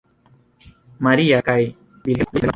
Maria kaj Vilhelmo loĝis en Nederlando.